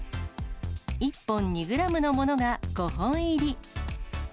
１本２グラムのものが５本入り。